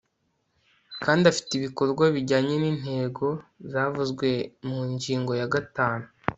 kandi afite ibikorwa bijyanye n'intego zavuzwe mu ngingo ya gatanu